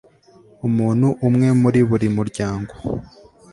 umuntu umwe muri buri muryango